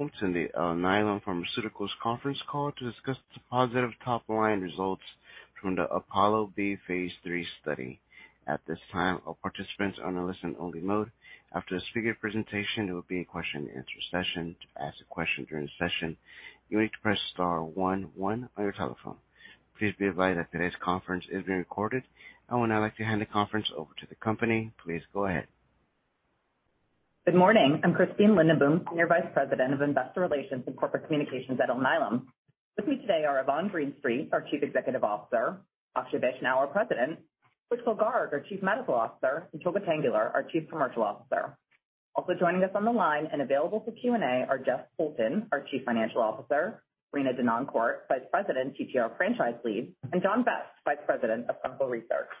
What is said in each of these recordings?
Welcome to the Alnylam Pharmaceuticals conference call to discuss the positive top-line results from the APOLLO-B Phase 3 study. At this time, all participants are on a listen-only mode. After the speaker presentation, there will be a question-and-answer session. To ask a question during the session, you need to press star 11 on your telephone. Please be advised that today's conference is being recorded, and when I'd like to hand the conference over to the company, please go ahead. Good morning. I'm Christine Lindenboom, Senior Vice President of Investor Relations and Corporate Communications at Alnylam. With me today are Yvonne Greenstreet, our Chief Executive Officer; Akshay Vaishnaw, our President; Pushkal Garg, our Chief Medical Officer; and Tolga Tanguler, our Chief Commercial Officer. Also joining us on the line and available for Q&A are Jeff Poulton, our Chief Financial Officer; Rena Denoncourt, Vice President, TTR Franchise Lead; and John Vest, Vice President of Clinical Research.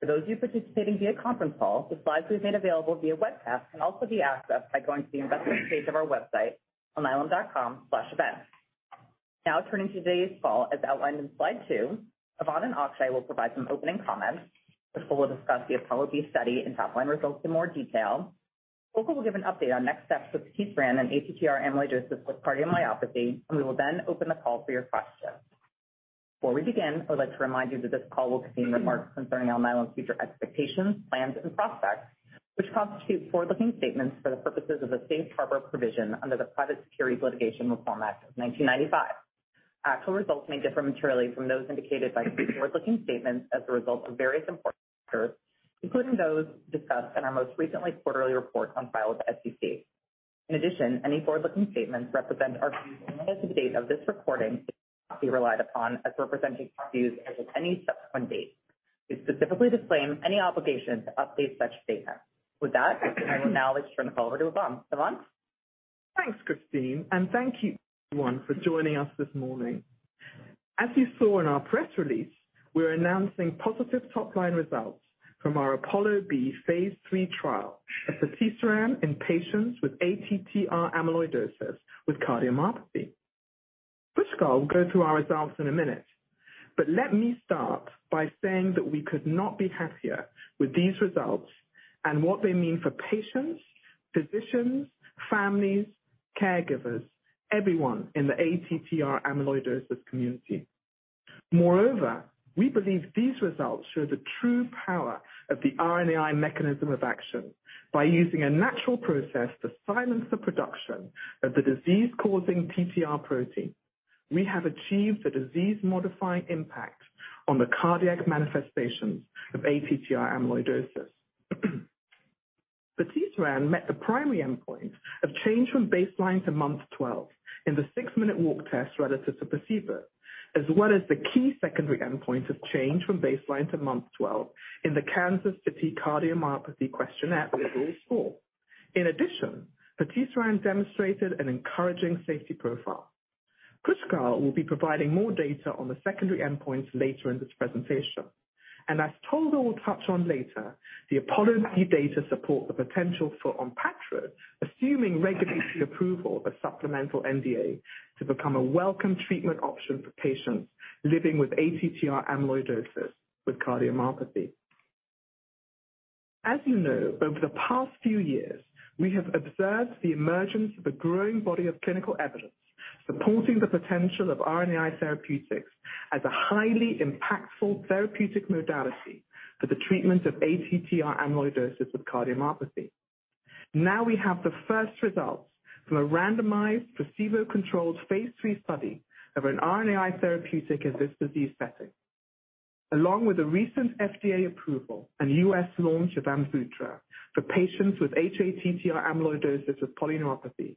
For those of you participating via conference call, the slides we've made available via webcast can also be accessed by going to the investment page of our website, alnylam.com/events. Now, turning to today's call, as outlined in slide two, Yvonne and Akshay will provide some opening comments. First, we'll discuss the Apollo B study and top-line results in more detail. Tolga will give an update on next steps with KeySprint and ATTR amyloidosis with cardiomyopathy, and we will then open the call for your questions. Before we begin, I would like to remind you that this call will contain remarks concerning Alnylam's future expectations, plans, and prospects, which constitute forward-looking statements for the purposes of the Safe Harbor Provision under the Private Securities Litigation Reform Act of 1995. Actual results may differ materially from those indicated by the forward-looking statements as a result of various important factors, including those discussed in our most recent quarterly report on file with the SEC. In addition, any forward-looking statements represent our views only as of the date of this recording and cannot be relied upon as representing our views as of any subsequent date. We specifically disclaim any obligation to update such statements. With that, I will now turn the call over to Yvonne. Yvonne? Thanks, Christine, and thank you, everyone, for joining us this morning. As you saw in our press release, we're announcing positive top-line results from our APOLLO-B Phase 3 trial of patisiran in patients with ATTR amyloidosis with cardiomyopathy. Pushkal will go through our results in a minute, but let me start by saying that we could not be happier with these results and what they mean for patients, physicians, families, caregivers, everyone in the ATTR amyloidosis community. Moreover, we believe these results show the true power of the RNAi mechanism of action by using a natural process to silence the production of the disease-causing TTR protein. We have achieved a disease-modifying impact on the cardiac manifestations of ATTR amyloidosis. Patisiran met the primary endpoint of change from baseline to month 12 in the six-minute walk test relative to placebo, as well as the key secondary endpoint of change from baseline to month 12 in the Kansas City Cardiomyopathy Questionnaire overall score. In addition, the patisiran demonstrated an encouraging safety profile. Pushkal will be providing more data on the secondary endpoints later in this presentation. And as Tolga will touch on later, the APOLLO-B data support the potential for Onpattro, assuming regulatory approval of supplemental NDA, to become a welcome treatment option for patients living with ATTR amyloidosis with cardiomyopathy. As you know, over the past few years, we have observed the emergence of a growing body of clinical evidence supporting the potential of RNAi therapeutics as a highly impactful therapeutic modality for the treatment of ATTR amyloidosis with cardiomyopathy. Now we have the first results from a randomized placebo-controlled Phase 3 study of an RNAi therapeutic in this disease setting, along with a recent FDA approval and U.S. launch of Amvuttra for patients with hATTR amyloidosis with polyneuropathy.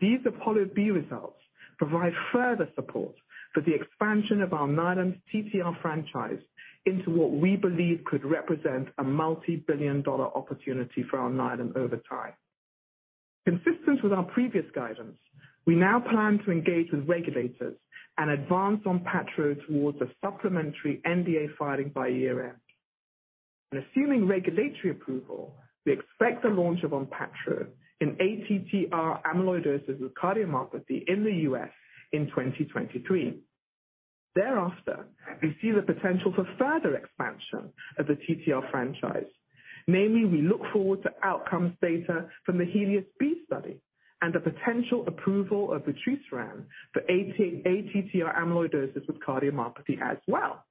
These APOLLO-B results provide further support for the expansion of Alnylam's TTR franchise into what we believe could represent a multi-billion-dollar opportunity for Alnylam over time. Consistent with our previous guidance, we now plan to engage with regulators and advance Onpattro towards a supplemental NDA filing by year-end. Assuming regulatory approval, we expect the launch of Onpattro in ATTR amyloidosis with cardiomyopathy in the U.S. in 2023. Thereafter, we see the potential for further expansion of the TTR franchise. Namely, we look forward to outcomes data from the HELIOS-B study and the potential approval of patisiran for ATTR amyloidosis with cardiomyopathy as well.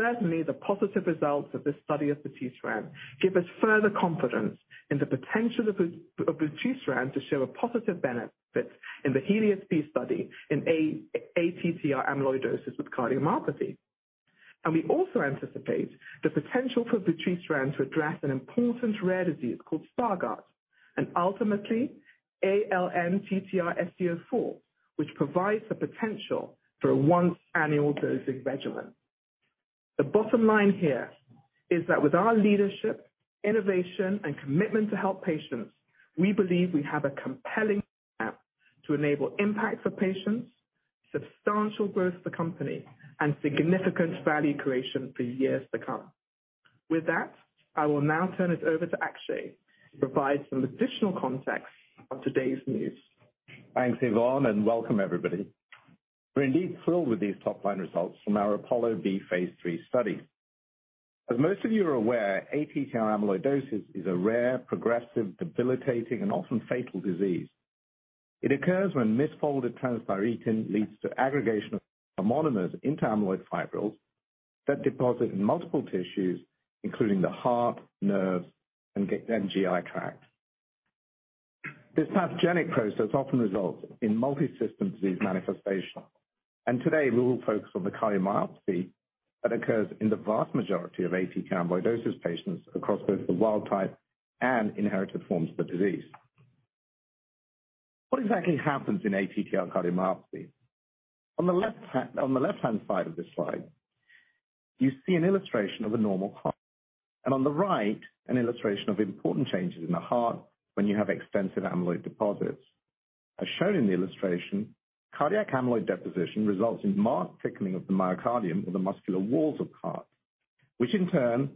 Certainly, the positive results of this study of the patisiran give us further confidence in the potential of the vutrisiran to show a positive benefit in the HELIOS-B study in ATTR amyloidosis with cardiomyopathy, and we also anticipate the potential for the vutrisiran to address an important rare disease called Stargardt and ultimately ALN-TTR-SC04, which provides the potential for a once-annual dosing regimen. The bottom line here is that with our leadership, innovation, and commitment to help patients, we believe we have a compelling plan to enable impact for patients, substantial growth for the company, and significant value creation for years to come. With that, I will now turn it over to Akshay to provide some additional context on today's news. Thanks, Yvonne, and welcome, everybody. We're indeed thrilled with these top-line results from our APOLLO-B Phase 3 study. As most of you are aware, ATTR amyloidosis is a rare, progressive, debilitating, and often fatal disease. It occurs when misfolded transthyretin leads to aggregation of transthyretin amyloid fibrils that deposit in multiple tissues, including the heart, nerves, and GI tract. This pathogenic process often results in multi-system disease manifestation. And today, we will focus on the cardiomyopathy that occurs in the vast majority of ATTR amyloidosis patients across both the wild type and inherited forms of the disease. What exactly happens in ATTR cardiomyopathy? On the left-hand side of this slide, you see an illustration of a normal heart, and on the right, an illustration of important changes in the heart when you have extensive amyloid deposits. As shown in the illustration, cardiac amyloid deposition results in marked thickening of the myocardium or the muscular walls of the heart, which in turn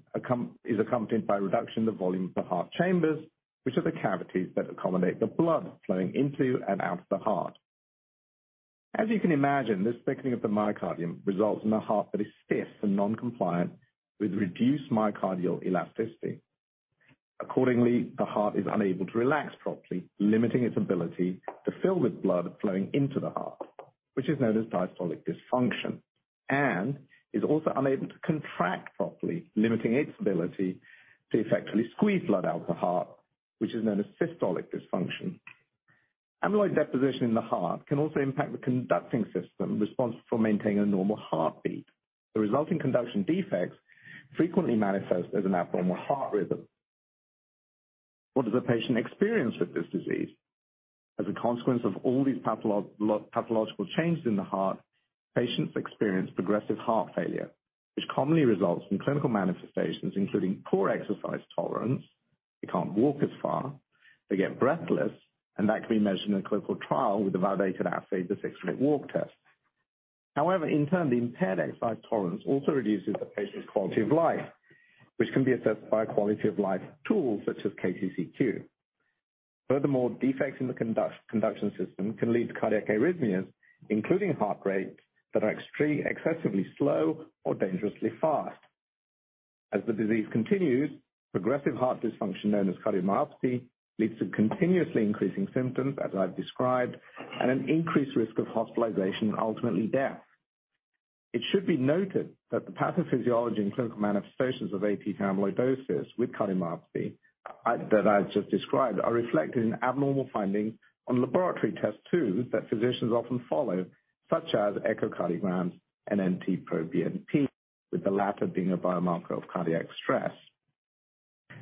is accompanied by a reduction in the volume of the heart chambers, which are the cavities that accommodate the blood flowing into and out of the heart. As you can imagine, this thickening of the myocardium results in a heart that is stiff and non-compliant with reduced myocardial elasticity. Accordingly, the heart is unable to relax properly, limiting its ability to fill with blood flowing into the heart, which is known as diastolic dysfunction, and is also unable to contract properly, limiting its ability to effectively squeeze blood out of the heart, which is known as systolic dysfunction. Amyloid deposition in the heart can also impact the conducting system responsible for maintaining a normal heartbeat. The resulting conduction defects frequently manifest as an abnormal heart rhythm. What does a patient experience with this disease? As a consequence of all these pathological changes in the heart, patients experience progressive heart failure, which commonly results in clinical manifestations including poor exercise tolerance. They can't walk as far. They get breathless, and that can be measured in a clinical trial with a validated assay, the six-minute walk test. However, in turn, the impaired exercise tolerance also reduces the patient's quality of life, which can be assessed by quality-of-life tools such as KCCQ. Furthermore, defects in the conduction system can lead to cardiac arrhythmias, including heart rates that are excessively slow or dangerously fast. As the disease continues, progressive heart dysfunction, known as cardiomyopathy, leads to continuously increasing symptoms, as I've described, and an increased risk of hospitalization and ultimately death. It should be noted that the pathophysiology and clinical manifestations of ATTR amyloidosis with cardiomyopathy that I've just described are reflected in abnormal findings on laboratory test tools that physicians often follow, such as echocardiograms and NT-proBNP, with the latter being a biomarker of cardiac stress.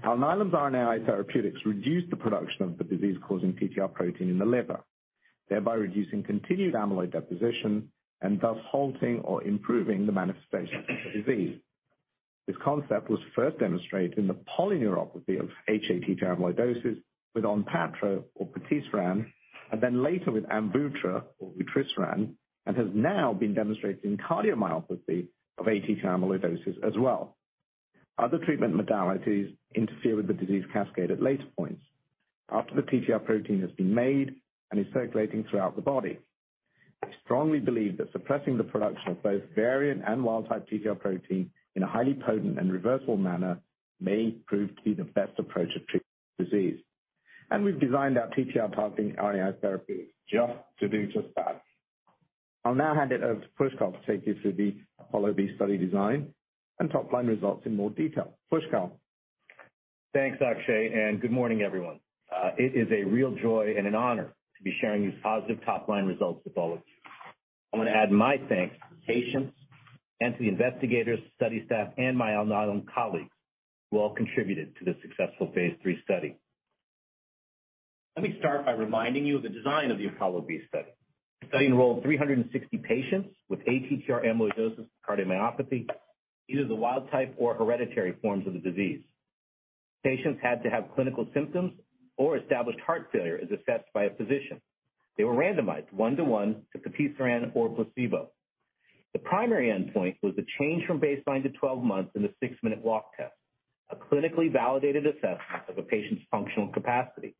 Alnylam's RNAi therapeutics reduce the production of the disease-causing TTR protein in the liver, thereby reducing continued amyloid deposition and thus halting or improving the manifestations of the disease. This concept was first demonstrated in the polyneuropathy of hATTR amyloidosis with Onpattro or patisiran, and then later with Amvuttra or vutrisiran, and has now been demonstrated in cardiomyopathy of ATTR amyloidosis as well. Other treatment modalities interfere with the disease cascade at later points after the TTR protein has been made and is circulating throughout the body. We strongly believe that suppressing the production of both variant and wild-type TTR protein in a highly potent and reversible manner may prove to be the best approach of treating the disease, and we've designed our TTR-targeting RNAi therapeutics just to do just that. I'll now hand it over to Pushkal to take you through the APOLLO-B study design and top-line results in more detail. Pushkal. Thanks, Akshay, and good morning, everyone. It is a real joy and an honor to be sharing these positive top-line results with all of you. I want to add my thanks to the patients, and to the investigators, study staff, and my Alnylam colleagues who all contributed to the successful Phase 3 study. Let me start by reminding you of the design of the APOLLO-B study. The study enrolled 360 patients with ATTR amyloidosis with cardiomyopathy, either the wild-type or hereditary forms of the disease. Patients had to have clinical symptoms or established heart failure, as assessed by a physician. They were randomized one-to-one to patisiran or placebo. The primary endpoint was the change from baseline to 12 months in the six-minute walk test, a clinically validated assessment of a patient's functional capacity.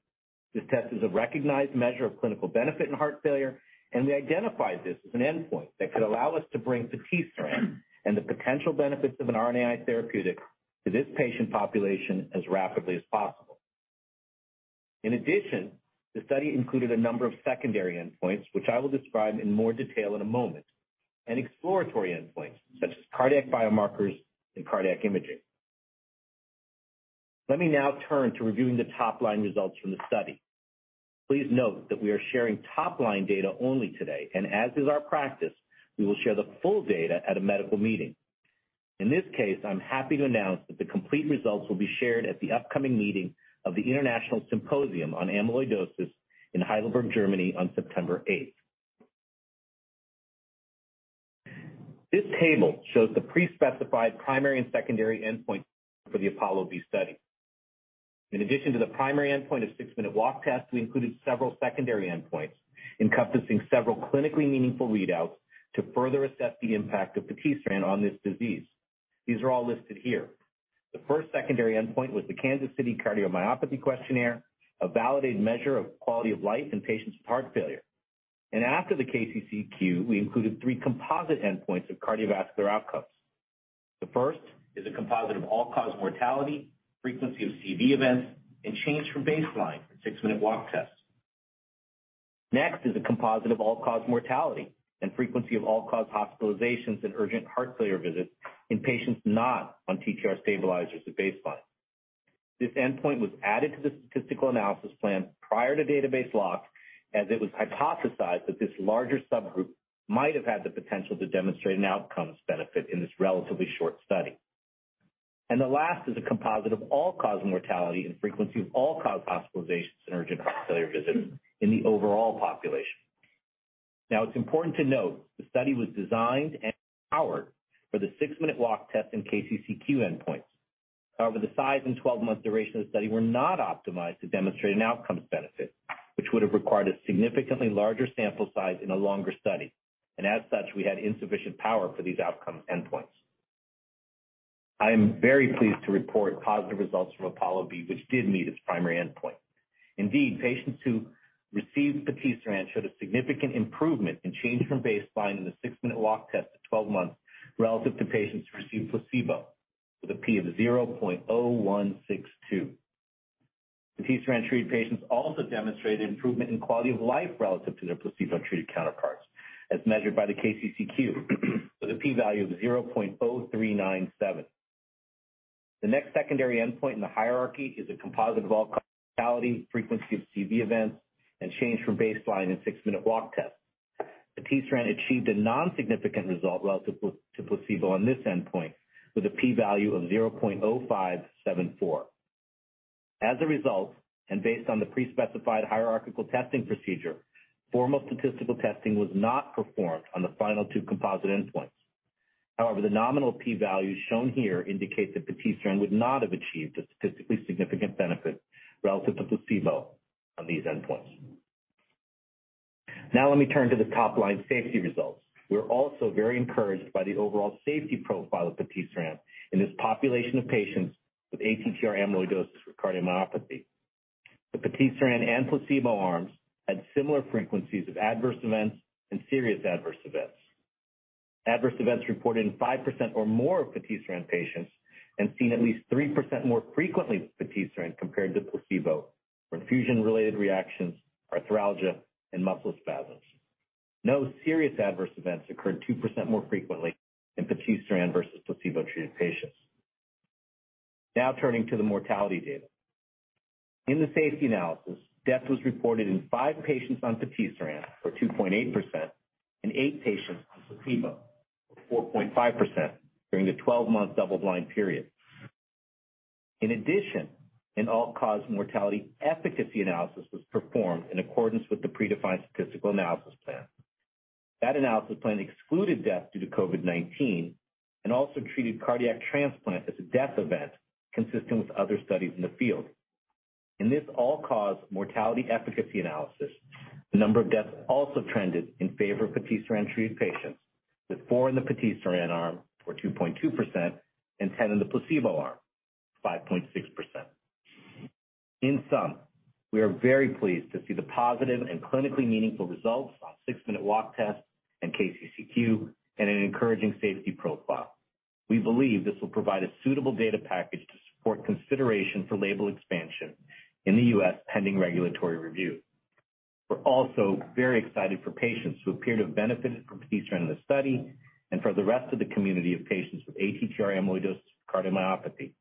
This test is a recognized measure of clinical benefit in heart failure, and we identified this as an endpoint that could allow us to bring patisiran and the potential benefits of an RNAi therapeutic to this patient population as rapidly as possible. In addition, the study included a number of secondary endpoints, which I will describe in more detail in a moment, and exploratory endpoints such as cardiac biomarkers and cardiac imaging. Let me now turn to reviewing the top-line results from the study. Please note that we are sharing top-line data only today, and as is our practice, we will share the full data at a medical meeting. In this case, I'm happy to announce that the complete results will be shared at the upcoming meeting of the International Symposium on Amyloidosis in Heidelberg, Germany, on September 8th. This table shows the pre-specified primary and secondary endpoints for the APOLLO-B study. In addition to the primary endpoint of the six-minute walk test, we included several secondary endpoints encompassing several clinically meaningful readouts to further assess the impact of patisiran on this disease. These are all listed here. The first secondary endpoint was the Kansas City Cardiomyopathy Questionnaire, a validated measure of quality of life in patients with heart failure. After the KCCQ, we included three composite endpoints of cardiovascular outcomes. The first is a composite of all-cause mortality, frequency of CV events, and change from baseline for the six-minute walk test. Next is a composite of all-cause mortality and frequency of all-cause hospitalizations and urgent heart failure visits in patients not on TTR stabilizers at baseline. This endpoint was added to the statistical analysis plan prior to database lock, as it was hypothesized that this larger subgroup might have had the potential to demonstrate an outcomes benefit in this relatively short study. The last is a composite of all-cause mortality and frequency of all-cause hospitalizations and urgent heart failure visits in the overall population. Now, it's important to note the study was designed and powered for the six-minute walk test and KCCQ endpoints. However, the size and 12-month duration of the study were not optimized to demonstrate an outcome's benefit, which would have required a significantly larger sample size in a longer study. As such, we had insufficient power for these outcome endpoints. I am very pleased to report positive results from APOLLO-B, which did meet its primary endpoint. Indeed, patients who received patisiran showed a significant improvement in change from baseline in the six-minute walk test at 12 months relative to patients who received placebo with a P of 0.0162. Patisiran-treated patients also demonstrated improvement in quality of life relative to their placebo-treated counterparts, as measured by the KCCQ with a P value of 0.0397. The next secondary endpoint in the hierarchy is a composite of all-cause mortality, frequency of CV events, and change from baseline in the six-minute walk test. Patisiran achieved a non-significant result relative to placebo on this endpoint with a P value of 0.0574. As a result, and based on the pre-specified hierarchical testing procedure, formal statistical testing was not performed on the final two composite endpoints. However, the nominal P values shown here indicate that patisiran would not have achieved a statistically significant benefit relative to placebo on these endpoints. Now, let me turn to the top-line safety results. We're also very encouraged by the overall safety profile of patisiran in this population of patients with ATTR amyloidosis with cardiomyopathy. The patisiran and placebo arms had similar frequencies of adverse events and serious adverse events. Adverse events reported in 5% or more of patisiran patients and seen at least 3% more frequently with patisiran compared to placebo for infusion-related reactions, arthralgia, and muscle spasms. No serious adverse events occurred 2% more frequently in patisiran versus placebo-treated patients. Now, turning to the mortality data. In the safety analysis, death was reported in five patients on patisiran for 2.8% and eight patients on placebo for 4.5% during the 12-month double-blind period. In addition, an all-cause mortality efficacy analysis was performed in accordance with the predefined statistical analysis plan. That analysis plan excluded death due to COVID-19 and also treated cardiac transplant as a death event consistent with other studies in the field. In this all-cause mortality efficacy analysis, the number of deaths also trended in favor of patisiran-treated patients, with four in the patisiran arm for 2.2% and 10 in the placebo arm for 5.6%. In sum, we are very pleased to see the positive and clinically meaningful results on the six-minute walk test and KCCQ and an encouraging safety profile. We believe this will provide a suitable data package to support consideration for label expansion in the U.S. pending regulatory review. We're also very excited for patients who appear to have benefited from patisiran in the study and for the rest of the community of patients with ATTR amyloidosis with cardiomyopathy.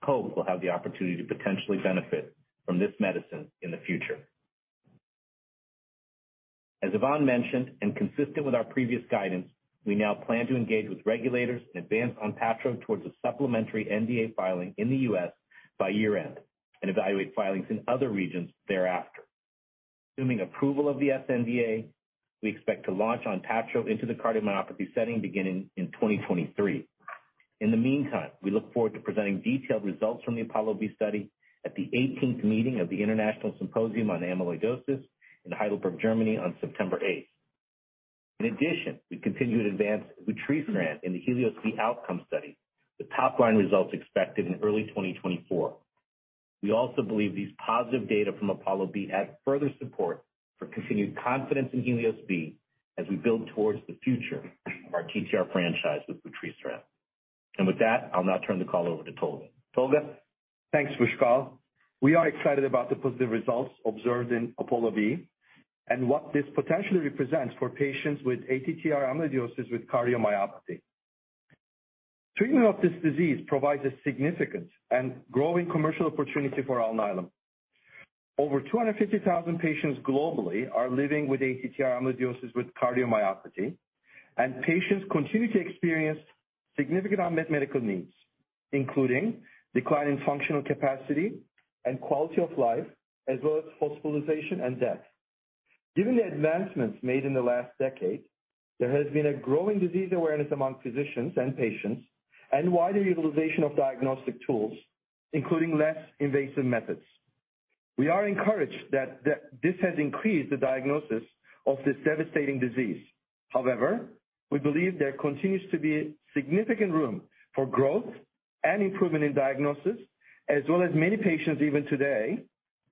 We hope we'll have the opportunity to potentially benefit from this medicine in the future. As Yvonne mentioned, and consistent with our previous guidance, we now plan to engage with regulators and advance Onpattro towards a supplemental NDA filing in the U.S. by year-end and evaluate filings in other regions thereafter. Assuming approval of the sNDA, we expect to launch Onpattro into the cardiomyopathy setting beginning in 2023. In the meantime, we look forward to presenting detailed results from the APOLLO-B study at the 18th meeting of the International Symposium on Amyloidosis in Heidelberg, Germany, on September 8th. In addition, we continue to advance vutrisiran in the HELIOS-B outcome study, with top-line results expected in early 2024. We also believe these positive data from APOLLO-B add further support for continued confidence in HELIOS-B as we build towards the future of our TTR franchise with vutrisiran, and with that, I'll now turn the call over to Tolga. Tolga, thanks, Pushkal. We are excited about the positive results observed in APOLLO-B and what this potentially represents for patients with ATTR amyloidosis with cardiomyopathy. Treatment of this disease provides a significant and growing commercial opportunity for Alnylam. Over 250,000 patients globally are living with ATTR amyloidosis with cardiomyopathy, and patients continue to experience significant unmet medical needs, including a decline in functional capacity and quality of life, as well as hospitalization and death. Given the advancements made in the last decade, there has been a growing disease awareness among physicians and patients and wider utilization of diagnostic tools, including less invasive methods. We are encouraged that this has increased the diagnosis of this devastating disease. However, we believe there continues to be significant room for growth and improvement in diagnosis, as well as many patients even today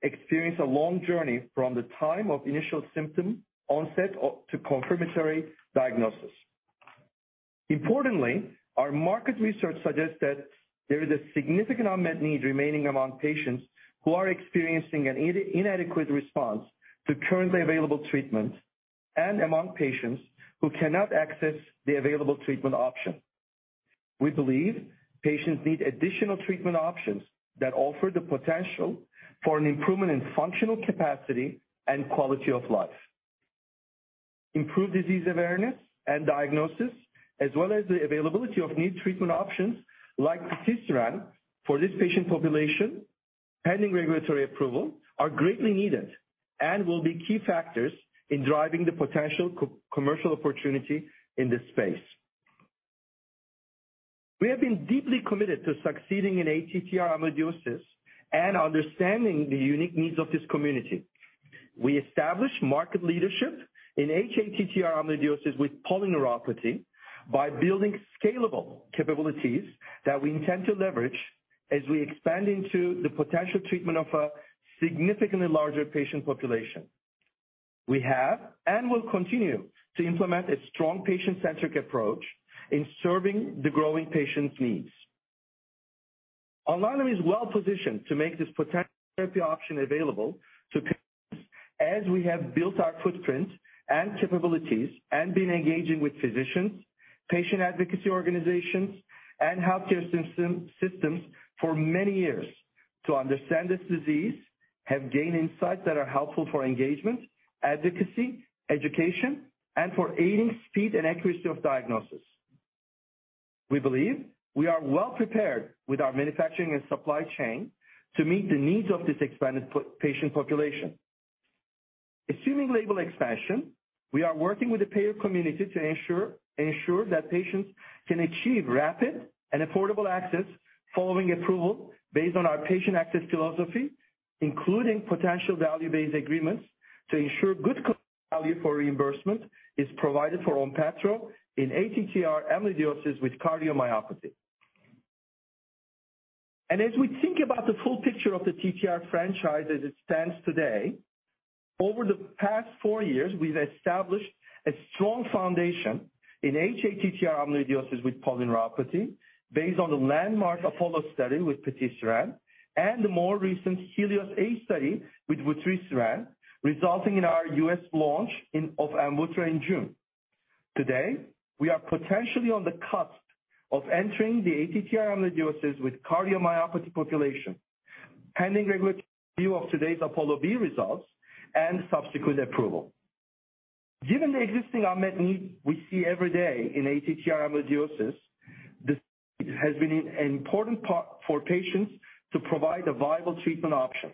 experience a long journey from the time of initial symptom onset to confirmatory diagnosis. Importantly, our market research suggests that there is a significant unmet need remaining among patients who are experiencing an inadequate response to currently available treatment and among patients who cannot access the available treatment option. We believe patients need additional treatment options that offer the potential for an improvement in functional capacity and quality of life. Improved disease awareness and diagnosis, as well as the availability of new treatment options like patisiran for this patient population pending regulatory approval, are greatly needed and will be key factors in driving the potential commercial opportunity in this space. We have been deeply committed to succeeding in ATTR amyloidosis and understanding the unique needs of this community. We established market leadership in hATTR amyloidosis with polyneuropathy by building scalable capabilities that we intend to leverage as we expand into the potential treatment of a significantly larger patient population. We have and will continue to implement a strong patient-centric approach in serving the growing patients' needs. Alnylam is well-positioned to make this potential therapy option available to patients as we have built our footprint and capabilities and been engaging with physicians, patient advocacy organizations, and healthcare systems for many years to understand this disease, have gained insights that are helpful for engagement, advocacy, education, and for aiding speed and accuracy of diagnosis. We believe we are well-prepared with our manufacturing and supply chain to meet the needs of this expanded patient population. Assuming label expansion, we are working with the payer community to ensure that patients can achieve rapid and affordable access following approval based on our patient access philosophy, including potential value-based agreements to ensure good value for reimbursement is provided for Onpattro in ATTR amyloidosis with cardiomyopathy. As we think about the full picture of the TTR franchise as it stands today, over the past four years, we've established a strong foundation in hATTR amyloidosis with polyneuropathy based on the landmark APOLLO study with patisiran and the more recent HELIOS-B study with vutrisiran, resulting in our U.S. launch of Amvuttra in June. Today, we are potentially on the cusp of entering the ATTR amyloidosis with cardiomyopathy population pending regulatory review of today's APOLLO-B results and subsequent approval. Given the existing unmet need we see every day in ATTR amyloidosis, this need has been an important part for patients to provide a viable treatment option.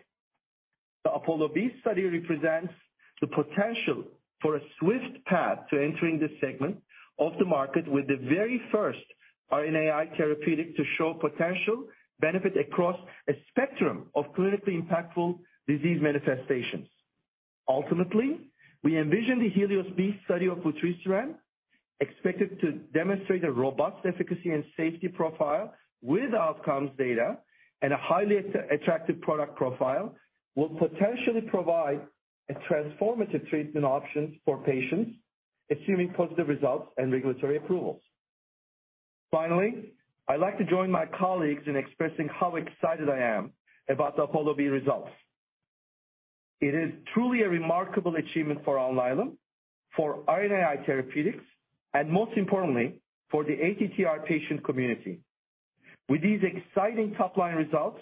The APOLLO-B study represents the potential for a swift path to entering this segment of the market with the very first RNAi therapeutic to show potential benefit across a spectrum of clinically impactful disease manifestations. Ultimately, we envision the HELIOS-B study of vutrisiran, expected to demonstrate a robust efficacy and safety profile with outcomes data and a highly attractive product profile, will potentially provide a transformative treatment option for patients assuming positive results and regulatory approvals. Finally, I'd like to join my colleagues in expressing how excited I am about the APOLLO-B results. It is truly a remarkable achievement for Alnylam, for RNAi therapeutics, and most importantly, for the ATTR patient community. With these exciting top-line results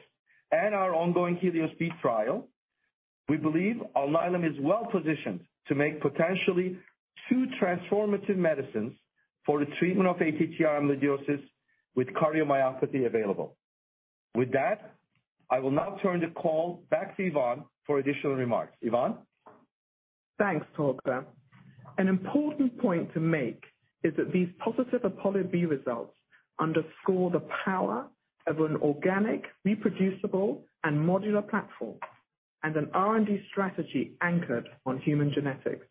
and our ongoing HELIOS-B trial, we believe Alnylam is well-positioned to make potentially two transformative medicines for the treatment of ATTR amyloidosis with cardiomyopathy available. With that, I will now turn the call back to Yvonne for additional remarks. Yvonne? Thanks, Tolga. An important point to make is that these positive APOLLO-B results underscore the power of an organic, reproducible, and modular platform and an R&D strategy anchored on human genetics.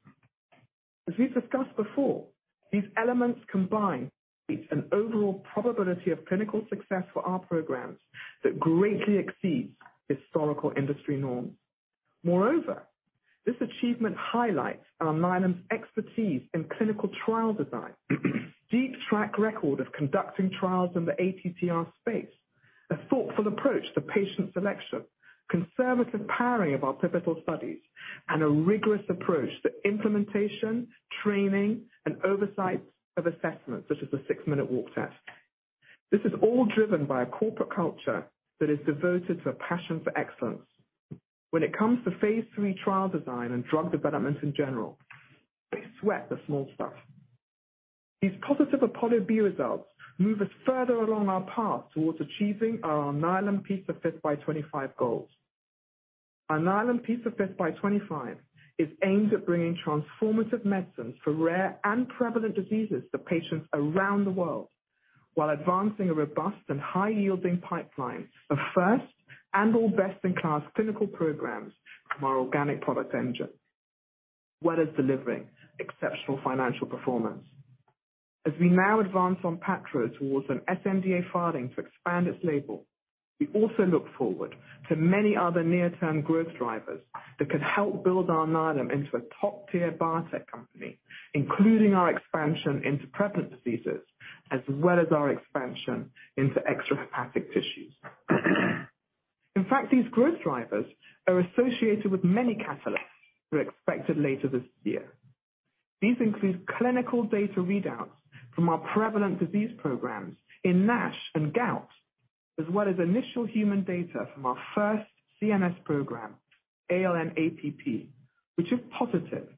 As we've discussed before, these elements combine to create an overall probability of clinical success for our programs that greatly exceeds historical industry norms. Moreover, this achievement highlights Alnylam's expertise in clinical trial design, a deep track record of conducting trials in the ATTR space, a thoughtful approach to patient selection, conservative pairing of our pivotal studies, and a rigorous approach to implementation, training, and oversight of assessments such as the 6-minute walk test. This is all driven by a corporate culture that is devoted to a passion for excellence. When it comes to Phase 3 trial design and drug development in general, we sweat the small stuff. These positive APOLLO-B results move us further along our path towards achieving our Alnylam P5x25 goals. Alnylam P5x25 is aimed at bringing transformative medicines for rare and prevalent diseases to patients around the world while advancing a robust and high-yielding pipeline of first and all best-in-class clinical programs from our organic product engine, as well as delivering exceptional financial performance. As we now advance Onpattro towards an sNDA filing to expand its label, we also look forward to many other near-term growth drivers that could help build Alnylam into a top-tier biotech company, including our expansion into prevalent diseases as well as our expansion into extrahepatic tissues. In fact, these growth drivers are associated with many catalysts we're expecting later this year. These include clinical data readouts from our prevalent disease programs in NASH and gout, as well as initial human data from our first CNS program, ALN-APP, which, if positive,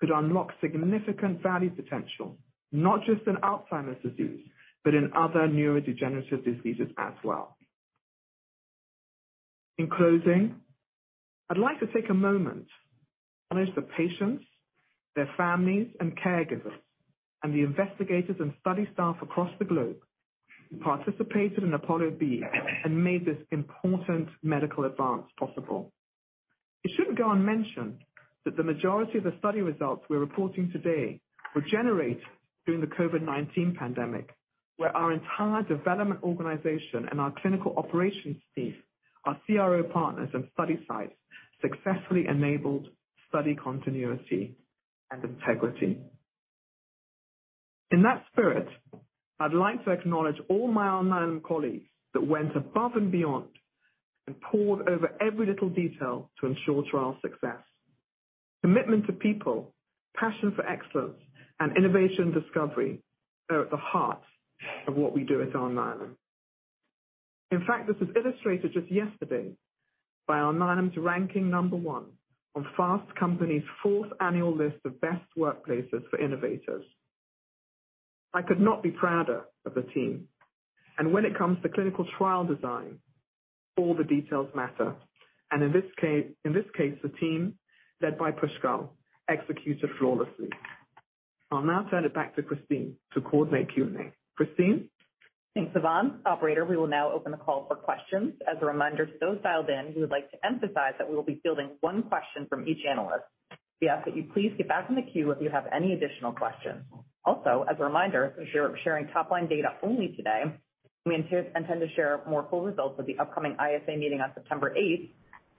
could unlock significant value potential not just in Alzheimer's disease, but in other neurodegenerative diseases as well. In closing, I'd like to take a moment to acknowledge the patients, their families, and caregivers, and the investigators and study staff across the globe who participated in APOLLO-B and made this important medical advance possible. It shouldn't go unmentioned that the majority of the study results we're reporting today were generated during the COVID-19 pandemic, where our entire development organization and our clinical operations team, our CRO partners, and study sites successfully enabled study continuity and integrity. In that spirit, I'd like to acknowledge all my Alnylam colleagues that went above and beyond and pored over every little detail to ensure trial success. Commitment to people, passion for excellence, and innovation and discovery are at the heart of what we do at Alnylam. In fact, this was illustrated just yesterday by Alnylam's ranking number one on Fast Company's fourth annual list of best workplaces for innovators. I could not be prouder of the team. And when it comes to clinical trial design, all the details matter. And in this case, the team led by Pushkal executed flawlessly. I'll now turn it back to Christine to coordinate Q&A. Christine? Thanks, Yvonne. Operator, we will now open the call for questions. As a reminder, for those dialed in, we would like to emphasize that we will be fielding one question from each analyst. We ask that you please get back in the queue if you have any additional questions. Also, as a reminder, since we are sharing top-line data only today, we intend to share more full results of the upcoming ISA meeting on September 8th.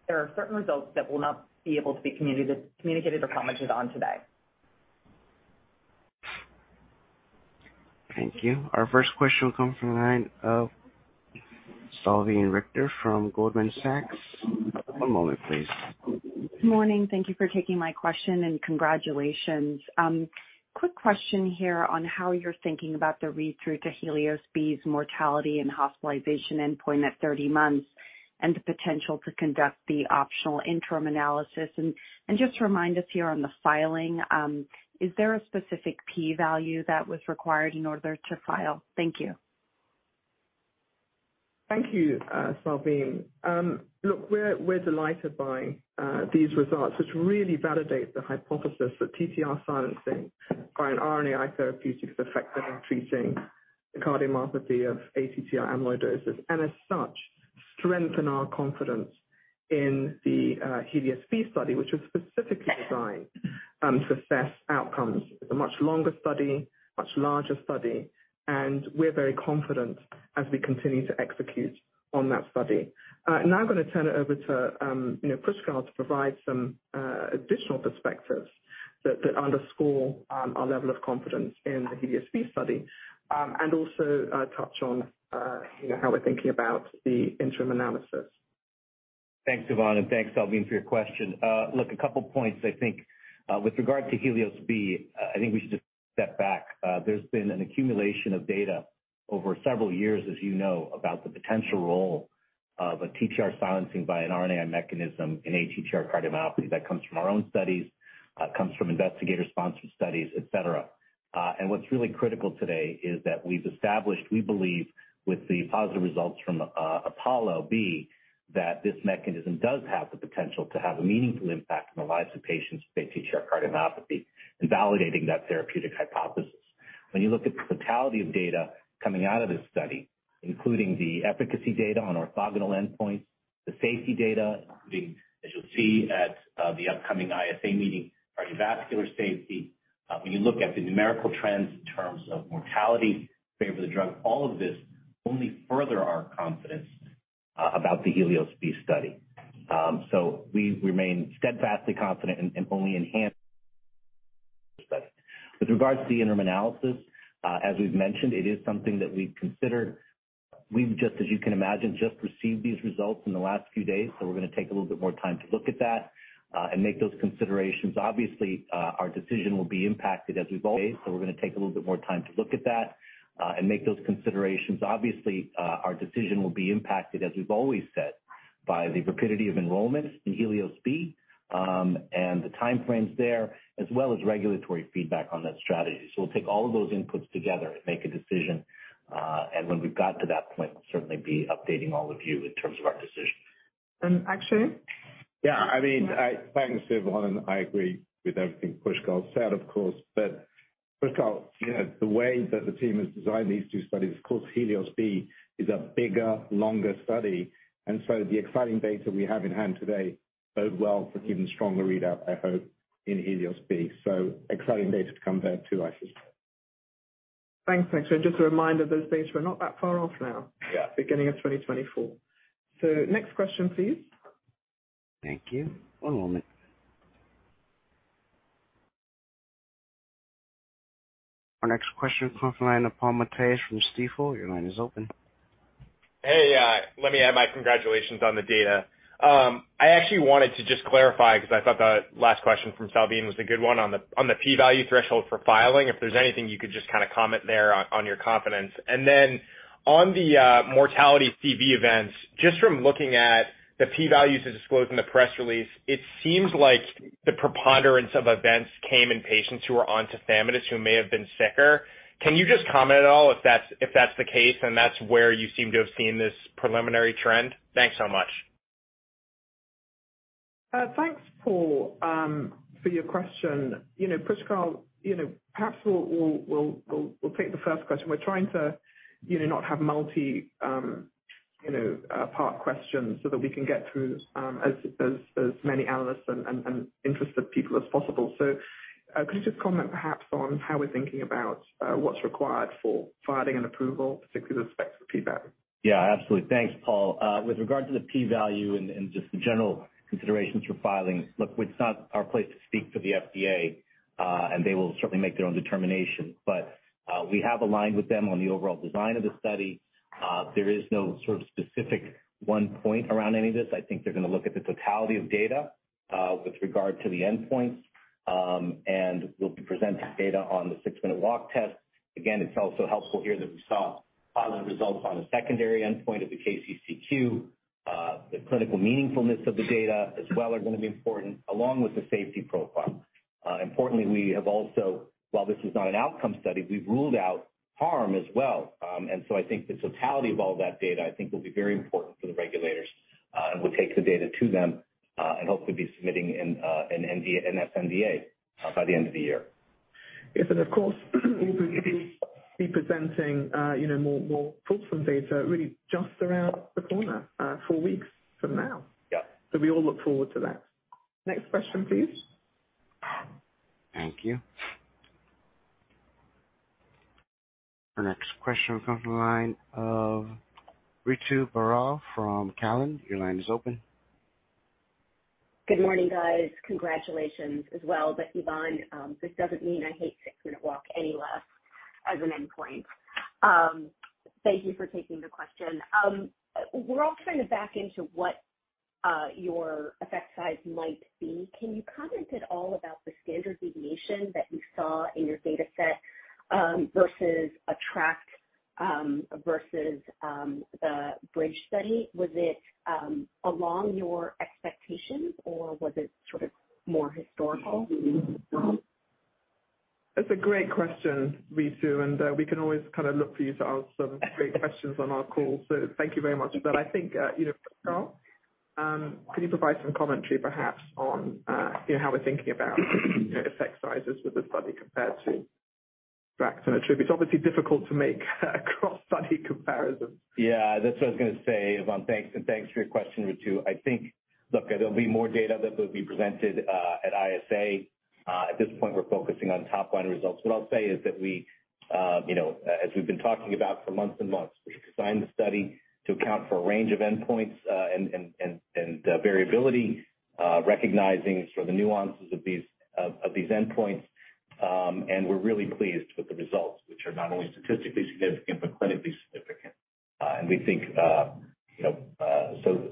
There are certain results that will not be able to be communicated or commented on today. Thank you. Our first question will come from Salveen Richter from Goldman Sachs. One moment, please. Good morning. Thank you for taking my question and congratulations. Quick question here on how you're thinking about the read-through to HELIOS-B's mortality and hospitalization endpoint at 30 months and the potential to conduct the optional interim analysis. Just to remind us here on the filing, is there a specific p-value that was required in order to file? Thank you. Thank you, Salveen. Look, we're delighted by these results, which really validate the hypothesis that TTR silencing by an RNAi therapeutic is effective in treating the cardiomyopathy of ATTR amyloidosis and, as such, strengthen our confidence in the HELIOS-B study, which was specifically designed to assess outcomes. It's a much longer study, much larger study, and we're very confident as we continue to execute on that study. Now I'm going to turn it over to Pushkal to provide some additional perspectives that underscore our level of confidence in the HELIOS-B study and also touch on how we're thinking about the interim analysis. Thanks, Yvonne, and thanks, Salveen, for your question. Look, a couple of points, I think, with regard to HELIOS-B, I think we should just step back. There's been an accumulation of data over several years, as you know, about the potential role of a TTR silencing by an RNAi mechanism in ATTR cardiomyopathy that comes from our own studies, comes from investigator-sponsored studies, etc. And what's really critical today is that we've established, we believe, with the positive results from APOLLO-B, that this mechanism does have the potential to have a meaningful impact on the lives of patients with ATTR cardiomyopathy and validating that therapeutic hypothesis. When you look at the totality of data coming out of this study, including the efficacy data on orthogonal endpoints, the safety data, including, as you'll see at the upcoming ISA meeting, cardiovascular safety, when you look at the numerical trends in terms of mortality favoring the drug, all of this only further our confidence about the HELIOS-B study, so we remain steadfastly confident and only enhance the study. With regards to the interim analysis, as we've mentioned, it is something that we've considered. We've, just as you can imagine, just received these results in the last few days, so we're going to take a little bit more time to look at that and make those considerations. Obviously, our decision will be impacted as we've always said. Obviously, our decision will be impacted, as we've always said, by the rapidity of enrollment in HELIOS-B and the timeframes there, as well as regulatory feedback on that strategy. So we'll take all of those inputs together and make a decision. And when we've got to that point, we'll certainly be updating all of you in terms of our decision. Akshay? Yeah. I mean, thanks, Yvonne, and I agree with everything Pushkal said, of course. But Pushkal, the way that the team has designed these two studies, of course, HELIOS-B is a bigger, longer study. And so the exciting data we have in hand today bode well for an even stronger readout, I hope, in HELIOS-B. So exciting data to come there too, I suspect. Thanks, actually. And just a reminder, those dates were not that far off now, beginning of 2024. So next question, please. Thank you. One moment. Our next question comes from Paul Matteis from Stifel. Your line is open. Hey, let me add my congratulations on the data. I actually wanted to just clarify because I thought the last question from Salveen was a good one on the p-value threshold for filing, if there's anything you could just kind of comment there on your confidence. And then on the mortality CV events, just from looking at the p-values disclosed in the press release, it seems like the preponderance of events came in patients who were on tafamidis who may have been sicker. Can you just comment at all if that's the case and that's where you seem to have seen this preliminary trend? Thanks so much. Thanks for your question. Pushkal, perhaps we'll take the first question. We're trying to not have multi-part questions so that we can get through as many analysts and interested people as possible. So could you just comment perhaps on how we're thinking about what's required for filing and approval, particularly with respect to the P-value? Yeah, absolutely. Thanks, Paul. With regard to the P-value and just the general considerations for filing, look, it's not our place to speak for the FDA, and they will certainly make their own determination. But we have aligned with them on the overall design of the study. There is no sort of specific one point around any of this. I think they're going to look at the totality of data with regard to the endpoints, and we'll be presenting data on the six-minute walk test. Again, it's also helpful here that we saw positive results on the secondary endpoint of the KCCQ. The clinical meaningfulness of the data as well are going to be important, along with the safety profile. Importantly, we have also, while this is not an outcome study, we've ruled out harm as well. And so, I think the totality of all that data, I think, will be very important for the regulators and will take the data to them and hopefully be submitting an sNDA by the end of the year. Yes, and of course, we'll be presenting more full data really just around the corner, four weeks from now, so we all look forward to that. Next question, please. Thank you. Our next question comes from Ritu Baral from Cowen. Your line is open. Good morning, guys. Congratulations as well. But Yvonne, this doesn't mean I hate 6-minute walk any less as an endpoint. Thank you for taking the question. We're all kind of back into what your effect size might be. Can you comment at all about the standard deviation that you saw in your data set versus ATTR versus the Bridge study? Was it along your expectations, or was it sort of more historical? That's a great question, Ritu, and we can always kind of look for you to answer some great questions on our call. So thank you very much. But I think, Pushkal, can you provide some commentary, perhaps, on how we're thinking about effect sizes with the study compared to tafamidis and Amvuttra? Obviously, difficult to make cross-study comparisons. Yeah, that's what I was going to say, Yvonne. Thanks. And thanks for your question, Ritu. I think, look, there'll be more data that will be presented at ISA. At this point, we're focusing on top-line results. What I'll say is that we, as we've been talking about for months and months, we designed the study to account for a range of endpoints and variability, recognizing sort of the nuances of these endpoints. And we're really pleased with the results, which are not only statistically significant but clinically significant. And we think, so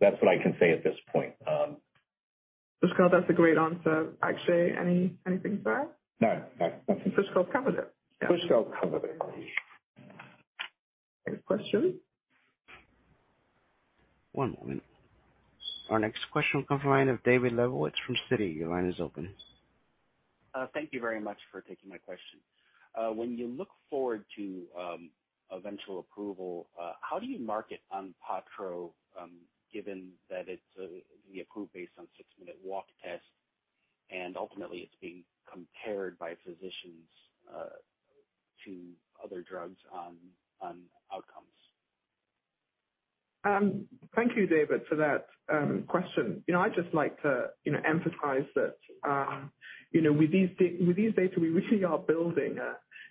that's what I can say at this point. Pushkal, that's a great answer. Akshay, anything to add? No. No. Pushkal's covered it. Pushkal's covered it. Next question. One moment. Our next question comes from David Lebowitz from Citi. Your line is open. Thank you very much for taking my question. When you look forward to eventual approval, how do you market Onpattro, given that it's being approved based on six-minute walk test and ultimately it's being compared by physicians to other drugs on outcomes? Thank you, David, for that question. I'd just like to emphasize that with these data, we really are building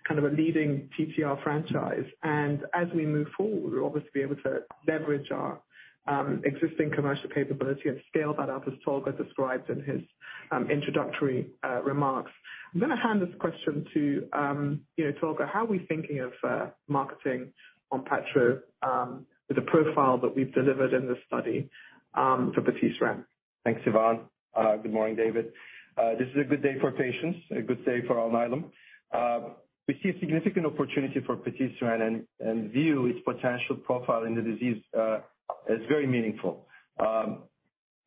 kind of a leading TTR franchise. And as we move forward, we'll obviously be able to leverage our existing commercial capability and scale that up, as Tolga described in his introductory remarks. I'm going to hand this question to Tolga. How are we thinking of marketing Onpattro with the profile that we've delivered in this study for patisiran? Thanks, Yvonne. Good morning, David. This is a good day for patients, a good day for Alnylam. We see a significant opportunity for patisiran and view its potential profile in the disease as very meaningful.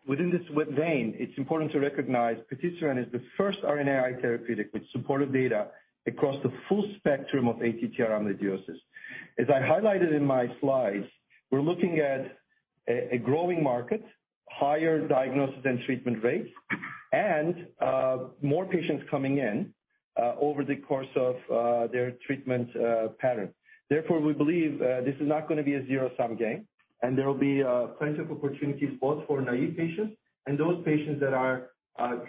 Within this vein, it's important to recognize patisiran is the first RNAi therapeutic with supportive data across the full spectrum of ATTR amyloidosis. As I highlighted in my slides, we're looking at a growing market, higher diagnosis and treatment rates, and more patients coming in over the course of their treatment pattern. Therefore, we believe this is not going to be a zero-sum game, and there will be plenty of opportunities both for naive patients and those patients that are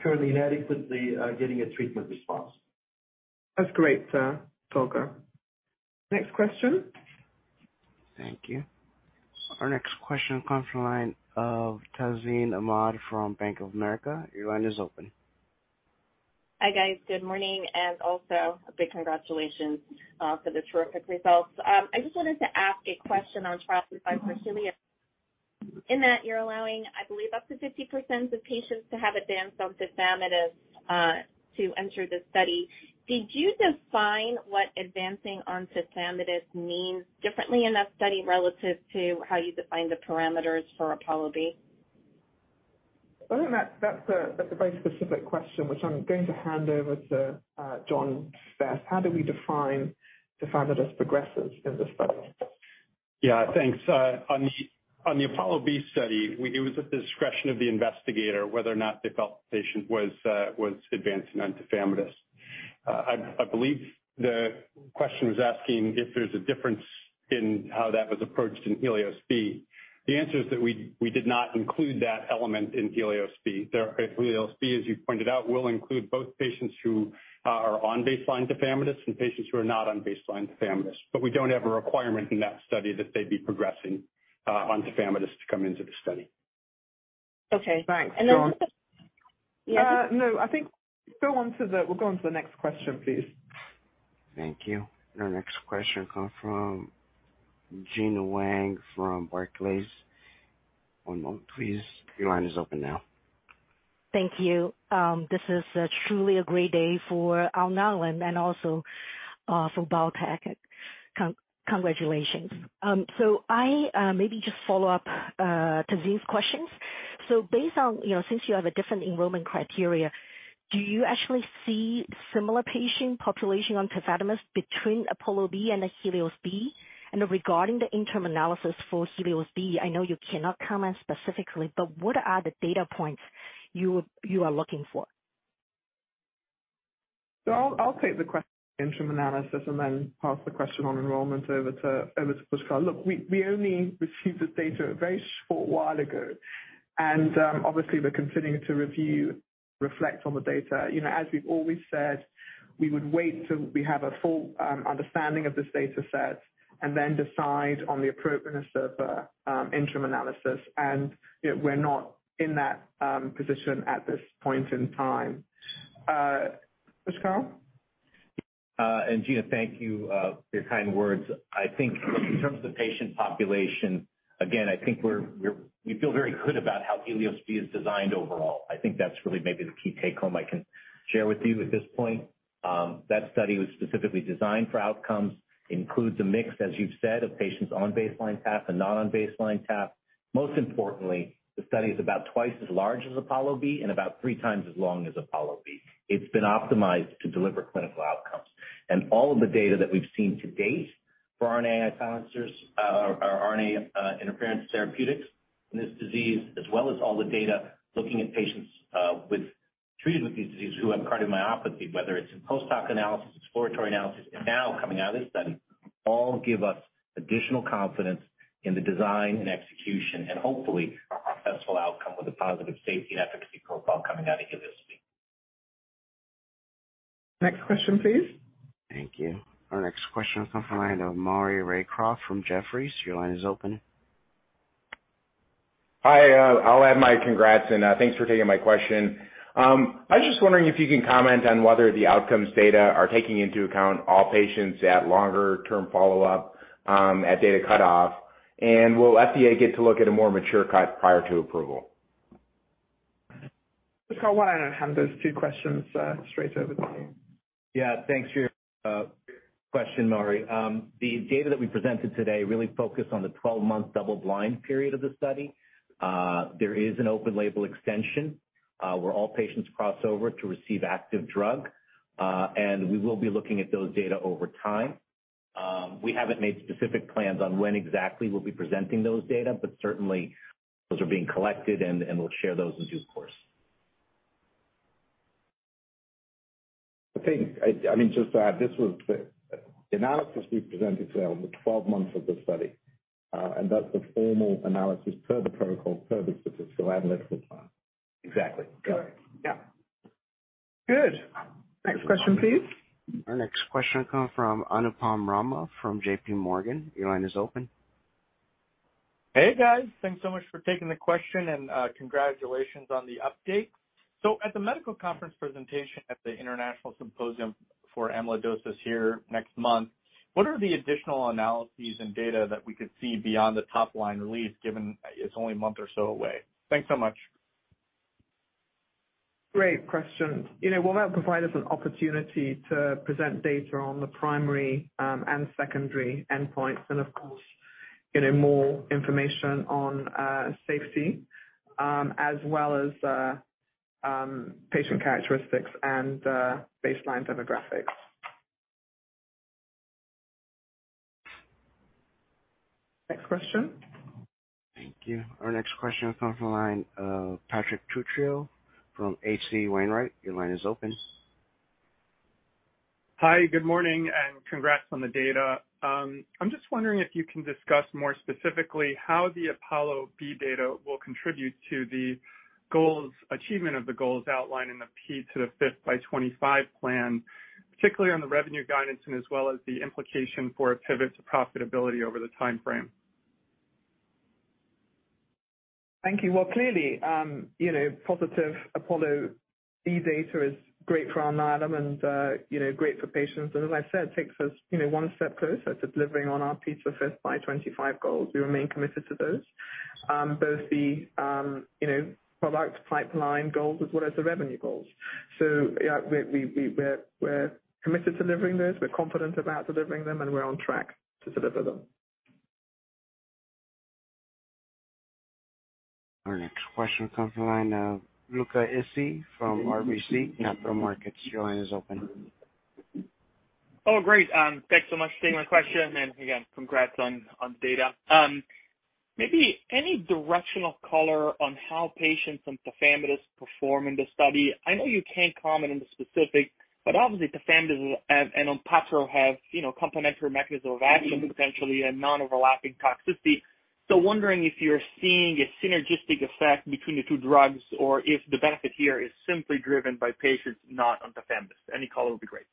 currently inadequately getting a treatment response. That's great, Tolga. Next question. Thank you. Our next question comes from Tazeen Ahmad from Bank of America. Your line is open. Hi, guys. Good morning, and also a big congratulations for the terrific results. I just wanted to ask a question on the HELIOS-B trial in that you're allowing, I believe, up to 50% of patients to have advanced onto tafamidis to enter the study. Did you define what advancing onto tafamidis means differently in that study relative to how you define the parameters for APOLLO-B? That's a very specific question, which I'm going to hand over to John Vest. How do we define the tafamidis progressives in this study? Yeah, thanks. On the APOLLO-B study, it was at the discretion of the investigator whether or not they felt the patient was advancing onto tafamidis. I believe the question was asking if there's a difference in how that was approached in HELIOS-B. The answer is that we did not include that element in HELIOS-B. HELIOS-B, as you pointed out, will include both patients who are on baseline to tafamidis and patients who are not on baseline to tafamidis. But we don't have a requirement in that study that they be progressing onto tafamidis to come into the study. Okay. And then. No. I think we'll go on to the next question, please. Thank you. Our next question comes from Gena Wang from Barclays. One moment, please. Your line is open now. Thank you. This is truly a great day for Alnylam and also for Biotech. Congratulations. So, I maybe just follow up Tazeen's questions. So, based on, since you have a different enrollment criteria, do you actually see similar patient population on tafamidis between APOLLO-B and HELIOS-B? And regarding the interim analysis for HELIOS-B, I know you cannot comment specifically, but what are the data points you are looking for? So I'll take the question on interim analysis and then pass the question on enrollment over to Pushkal. Look, we only received this data a very short while ago. And obviously, we're continuing to review, reflect on the data. As we've always said, we would wait till we have a full understanding of this data set and then decide on the appropriateness of interim analysis. And we're not in that position at this point in time. Pushkal? And Gena, thank you for your kind words. I think in terms of the patient population, again, I think we feel very good about how HELIOS-B is designed overall. I think that's really maybe the key take home I can share with you at this point. That study was specifically designed for outcomes, includes a mix, as you've said, of patients on baseline tafamidis and not on baseline tafamidis. Most importantly, the study is about twice as large as APOLLO-B and about three times as long as APOLLO-B. It's been optimized to deliver clinical outcomes. All of the data that we've seen to date for RNAi-based or RNA interference therapeutics in this disease, as well as all the data looking at patients treated for these diseases who have cardiomyopathy, whether it's in post-hoc analysis, exploratory analysis, and now coming out of this study, all give us additional confidence in the design and execution and hopefully a successful outcome with a positive safety and efficacy profile coming out of HELIOS-B. Next question, please. Thank you. Our next question comes from Maury Raycroft from Jefferies. Your line is open. Hi. I'll add my congrats and thanks for taking my question. I was just wondering if you can comment on whether the outcomes data are taking into account all patients at longer-term follow-up at data cutoff, and will FDA get to look at a more mature cut prior to approval? Pushkal, why don't I hand those two questions straight over to you? Yeah, thanks for your question, Maury. The data that we presented today really focused on the 12-month double-blind period of the study. There is an open-label extension where all patients cross over to receive active drug, and we will be looking at those data over time. We haven't made specific plans on when exactly we'll be presenting those data, but certainly, those are being collected and we'll share those with you, of course. I mean, just to add, this was the analysis we presented to them with 12 months of the study, and that's the formal analysis per the protocol, per the statistical analysis plan. Exactly. Good. Next question, please. Our next question comes from Anupam Rama from J.P. Morgan. Your line is open. Hey, guys. Thanks so much for taking the question and congratulations on the update, so at the medical conference presentation at the International Symposium on Amyloidosis here next month, what are the additional analyses and data that we could see beyond the top-line release given it's only a month or so away? Thanks so much. Great question. Will that provide us an opportunity to present data on the primary and secondary endpoints and, of course, more information on safety as well as patient characteristics and baseline demographics? Next question. Thank you. Our next question comes from Patrick Trucchio from H.C. Wainwright. Your line is open. Hi, good morning, and congrats on the data. I'm just wondering if you can discuss more specifically how the APOLLO-B data will contribute to the achievement of the goals outlined in the P5x25 plan, particularly on the revenue guidance and as well as the implication for pivot to profitability over the timeframe. Thank you. Well, clearly, positive APOLLO-B data is great for Alnylam and great for patients. And as I said, it takes us one step closer to delivering on our P5x25 goals. We remain committed to those, both the product pipeline goals as well as the revenue goals. So yeah, we're committed to delivering those. We're confident about delivering them, and we're on track to deliver them. Our next question comes from Luca Issi from RBC Capital Markets. Your line is open. Oh, great. Thanks so much for taking my question. And again, congrats on the data. Maybe any directional color on how patients and tafamidis perform in the study? I know you can't comment on the specifics, but obviously, tafamidis and Onpattro have complementary mechanisms of action, potentially a non-overlapping toxicity. So wondering if you're seeing a synergistic effect between the two drugs or if the benefit here is simply driven by patients not on tafamidis. Any color would be great.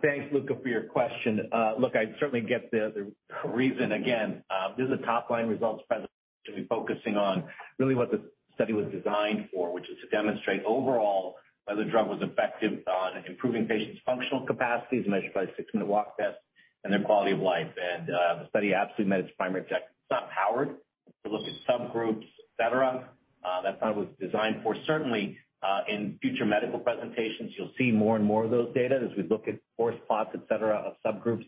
Thanks, Luca, for your question. Look, I certainly get the reason. Again, these are top-line results presented. We're focusing on really what the study was designed for, which is to demonstrate overall whether the drug was effective on improving patients' functional capacities measured by six-minute walk test and their quality of life, and the study absolutely met its primary objective. It's not powered to look at subgroups, etc. That's not what it was designed for. Certainly, in future medical presentations, you'll see more and more of those data as we look at forest plots, etc., of subgroups,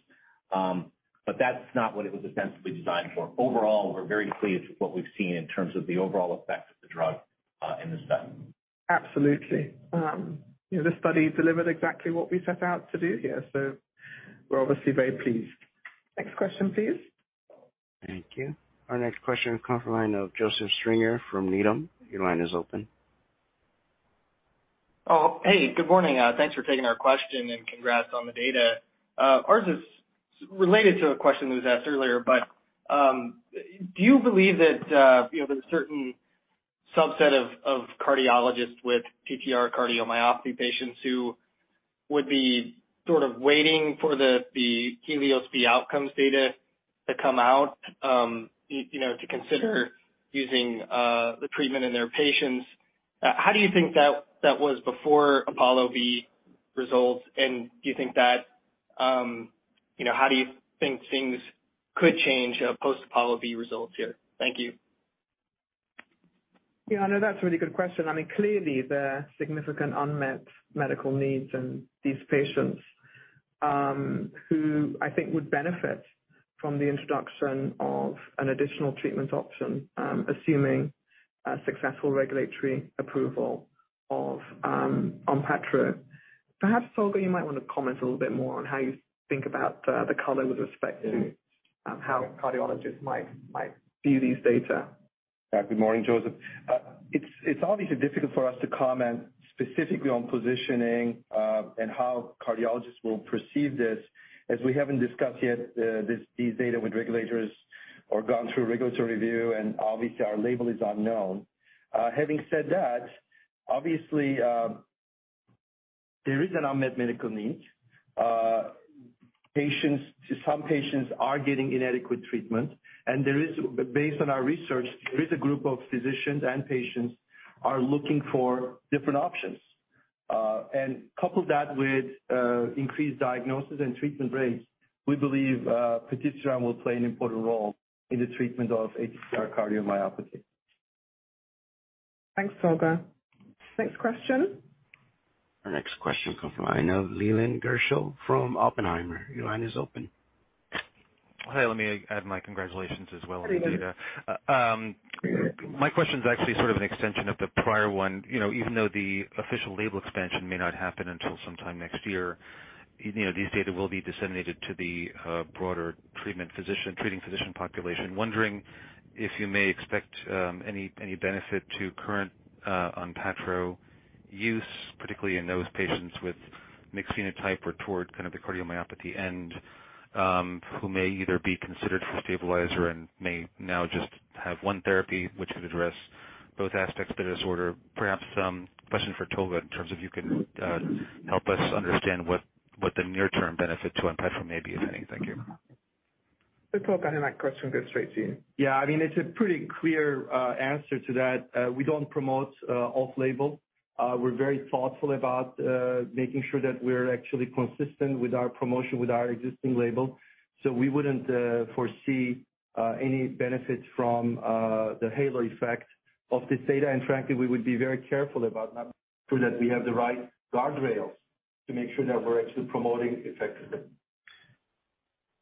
but that's not what it was essentially designed for. Overall, we're very pleased with what we've seen in terms of the overall effect of the drug in this study. Absolutely. This study delivered exactly what we set out to do here. So we're obviously very pleased. Next question, please. Thank you. Our next question comes from Joseph Stringer from Needham. Your line is open. Oh, hey, good morning. Thanks for taking our question and congrats on the data. Ours is related to a question that was asked earlier, but do you believe that there's a certain subset of cardiologists with TTR cardiomyopathy patients who would be sort of waiting for the HELIOS-B outcomes data to come out to consider using the treatment in their patients? How do you think that was before APOLLO-B results? And do you think that how do you think things could change post-APOLLO-B results here? Thank you. Yeah, no, that's a really good question. I mean, clearly, there are significant unmet medical needs in these patients who I think would benefit from the introduction of an additional treatment option, assuming successful regulatory approval of Onpattro. Perhaps, Tolga, you might want to comment a little bit more on how you think about the color with respect to how cardiologists might view these data. Yeah, good morning, Joseph. It's obviously difficult for us to comment specifically on positioning and how cardiologists will perceive this as we haven't discussed yet these data with regulators or gone through regulatory review, and obviously, our label is unknown. Having said that, obviously, there is an unmet medical need. Some patients are getting inadequate treatment. And based on our research, there is a group of physicians and patients who are looking for different options. And couple that with increased diagnosis and treatment rates, we believe patisiran will play an important role in the treatment of ATTR cardiomyopathy. Thanks, Tolga. Next question. Our next question comes from Leland Gershell from Oppenheimer. Your line is open. Hi, let me add my congratulations as well on the data. My question is actually sort of an extension of the prior one. Even though the official label expansion may not happen until sometime next year, these data will be disseminated to the broader treating physician population. Wondering if you may expect any benefit to current Onpattro use, particularly in those patients with mixed phenotype or toward kind of the cardiomyopathy end who may either be considered for stabilizer and may now just have one therapy which could address both aspects of the disorder. Perhaps a question for Tolga in terms of you can help us understand what the near-term benefit to Onpattro may be, if any. Thank you. So, Tolga, that question goes straight to you. Yeah, I mean, it's a pretty clear answer to that. We don't promote off-label. We're very thoughtful about making sure that we're actually consistent with our promotion with our existing label. So we wouldn't foresee any benefit from the halo effect of this data. And frankly, we would be very careful about that we have the right guardrails to make sure that we're actually promoting effectively.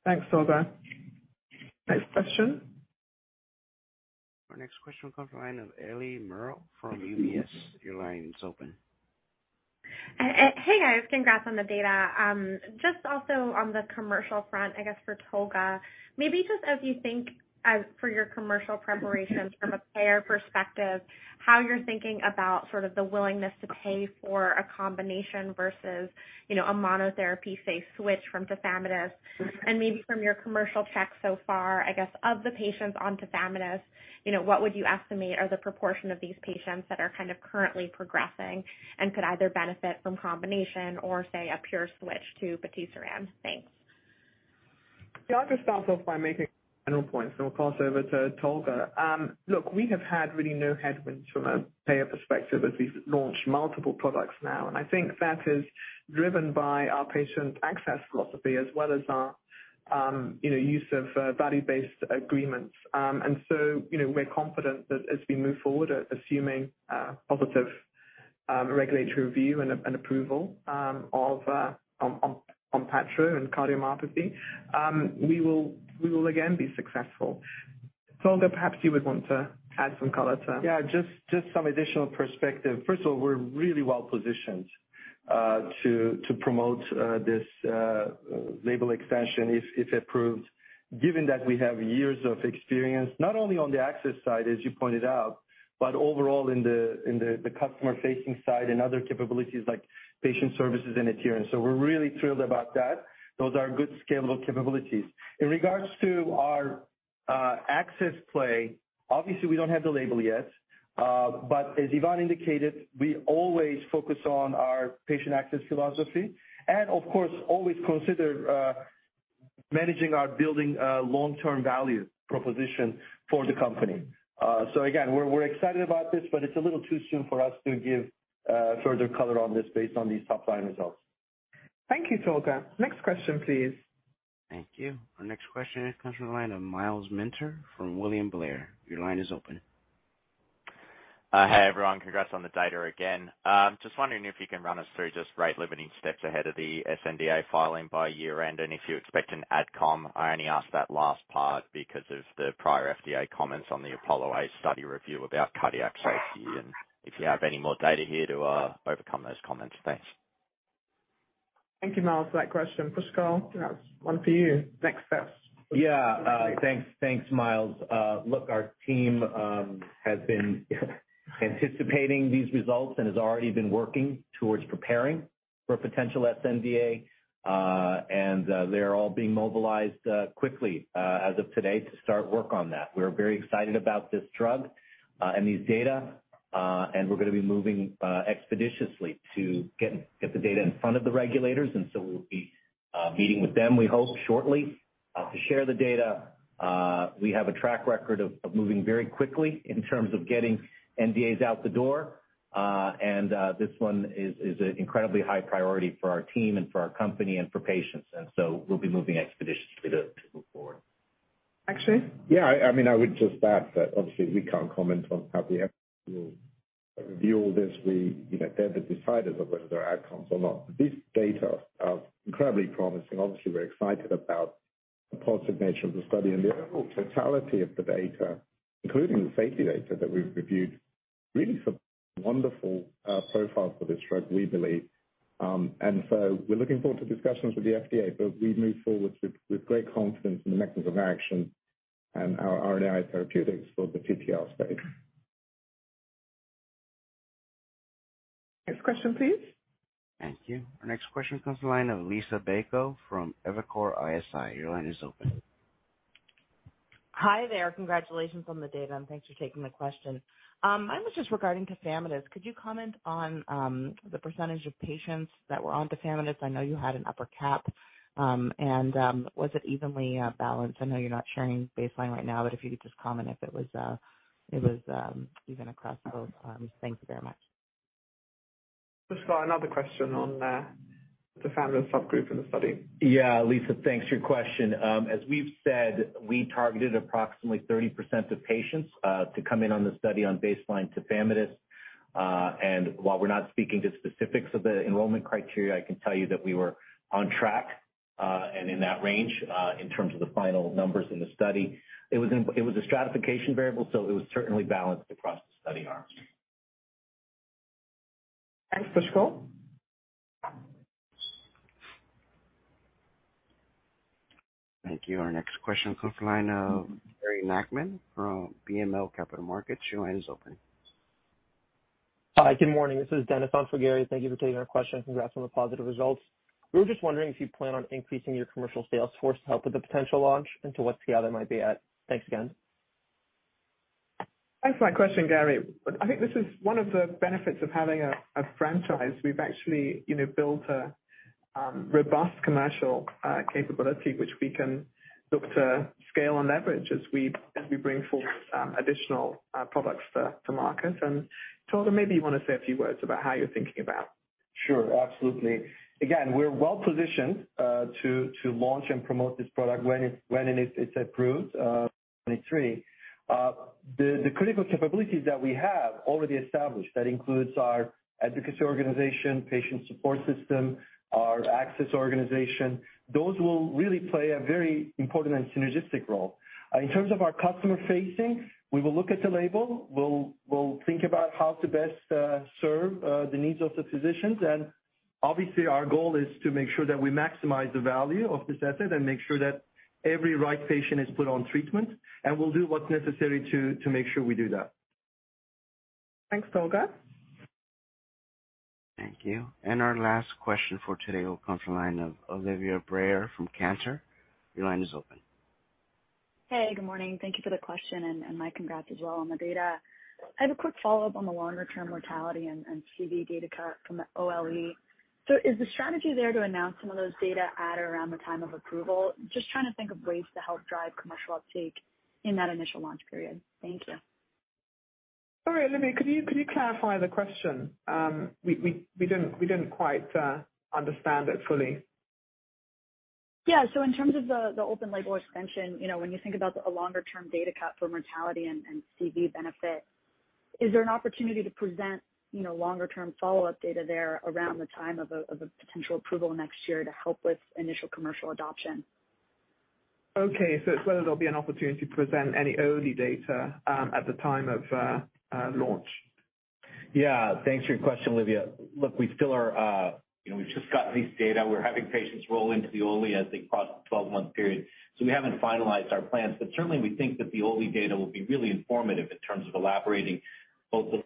Thanks, Tolga. Next question. Our next question comes from Eliana Merle from UBS. Your line is open. Hey, guys. Congrats on the data. Just also on the commercial front, I guess for Tolga, maybe just as you think for your commercial preparation from a payer perspective, how you're thinking about sort of the willingness to pay for a combination versus a monotherapy phase switch from tafamidis? And maybe from your commercial checks so far, I guess, of the patients on tafamidis, what would you estimate are the proportion of these patients that are kind of currently progressing and could either benefit from combination or, say, a pure switch to patisiran? Thanks. Yeah, I'll just start off by making general points and we'll pass over to Tolga. Look, we have had really no headwinds from a payer perspective as we've launched multiple products now. And I think that is driven by our patient access philosophy as well as our use of value-based agreements. And so we're confident that as we move forward, assuming positive regulatory review and approval of Onpattro and cardiomyopathy, we will again be successful. Tolga, perhaps you would want to add some color to. Yeah, just some additional perspective. First of all, we're really well-positioned to promote this label extension if approved, given that we have years of experience not only on the access side, as you pointed out, but overall in the customer-facing side and other capabilities like patient services and adherence. So we're really thrilled about that. Those are good scalable capabilities. In regards to our access play, obviously, we don't have the label yet. But as Yvonne indicated, we always focus on our patient access philosophy and, of course, always consider managing our building long-term value proposition for the company. So again, we're excited about this, but it's a little too soon for us to give further color on this based on these top-line results. Thank you, Tolga. Next question, please. Thank you. Our next question comes from Myles Minter from William Blair. Your line is open. Hi, everyone. Congrats on the data again. Just wondering if you can run us through just rate-limiting steps ahead of the sNDA filing by year-end and if you expect an AdCom. I only asked that last part because of the prior FDA comments on the APOLLO study review about cardiac safety and if you have any more data here to overcome those comments. Thanks. Thank you, Myles, for that question. Pushkal, that's one for you. Next steps. Yeah, thanks, Myles. Look, our team has been anticipating these results and has already been working towards preparing for a potential sNDA. And they're all being mobilized quickly as of today to start work on that. We're very excited about this drug and these data, and we're going to be moving expeditiously to get the data in front of the regulators. And so we'll be meeting with them, we hope, shortly to share the data. We have a track record of moving very quickly in terms of getting NDAs out the door. And this one is an incredibly high priority for our team and for our company and for patients. And so we'll be moving expeditiously to move forward. Akshay? Yeah, I mean, I would just add that obviously, we can't comment on how the FDA will review all this. They're the deciders of whether there are outcomes or not, but these data are incredibly promising. Obviously, we're excited about the positive nature of the study and the overall totality of the data, including the safety data that we've reviewed, really wonderful profile for this drug, we believe, and so we're looking forward to discussions with the FDA, but we move forward with great confidence in the mechanism of action and RNAi therapeutics for the TTR space. Next question, please. Thank you. Our next question comes from Liisa Bayko from Evercore ISI. Your line is open. Hi there. Congratulations on the data, and thanks for taking the question. Mine was just regarding tafamidis. Could you comment on the percentage of patients that were on tafamidis? I know you had an upper cap, and was it evenly balanced? I know you're not sharing baseline right now, but if you could just comment if it was even across both arms. Thank you very much. Pushkal, another question on the Tafamidis subgroup in the study. Yeah, Liisa, thanks. Your question, as we've said, we targeted approximately 30% of patients to come in on the study on baseline tafamidis, and while we're not speaking to specifics of the enrollment criteria, I can tell you that we were on track and in that range in terms of the final numbers in the study. It was a stratification variable, so it was certainly balanced across the study arms. Thanks, Pushkal. Thank you. Our next question comes from Gary Nachman from BMO Capital Markets. Your line is open. Hi, good morning. This is Dennis on for Gary. Thank you for taking our question. Congrats on the positive results. We were just wondering if you plan on increasing your commercial sales force to help with the potential launch and to what scale that might be at. Thanks again. Thanks for that question, Gary. I think this is one of the benefits of having a franchise. We've actually built a robust commercial capability which we can look to scale and leverage as we bring forth additional products to market. And Tolga, maybe you want to say a few words about how you're thinking about. Sure, absolutely. Again, we're well-positioned to launch and promote this product when it's approved. 2023. The critical capabilities that we have already established, that includes our advocacy organization, patient support system, our access organization, those will really play a very important and synergistic role. In terms of our customer-facing, we will look at the label. We'll think about how to best serve the needs of the physicians. And obviously, our goal is to make sure that we maximize the value of this asset and make sure that every right patient is put on treatment. And we'll do what's necessary to make sure we do that. Thanks, Tolga. Thank you. And our last question for today will come from Olivia Brayer from Cantor. Your line is open. Hey, good morning. Thank you for the question and my congrats as well on the data. I have a quick follow-up on the longer-term mortality and CV data cut from the OLE. So is the strategy there to announce some of those data at or around the time of approval? Just trying to think of ways to help drive commercial uptake in that initial launch period. Thank you. Sorry, Olivia, could you clarify the question? We didn't quite understand it fully. Yeah, so in terms of the open label extension, when you think about the longer-term data cut for mortality and CV benefit, is there an opportunity to present longer-term follow-up data there around the time of a potential approval next year to help with initial commercial adoption? Okay, so it's whether there'll be an opportunity to present any early data at the time of launch. Yeah, thanks for your question, Olivia. Look, we still are. We've just got these data. We're having patients roll into the OLE as they cross the 12-month period. So we haven't finalized our plans, but certainly, we think that the OLE data will be really informative in terms of elaborating both the